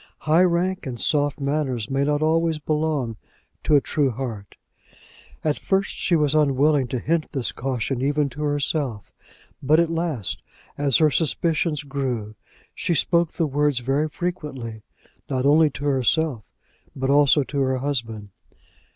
High rank and soft manners may not always belong to a true heart. At first she was unwilling to hint this caution even to herself; but at last, as her suspicions grew, she spoke the words very frequently, not only to herself but also to her husband.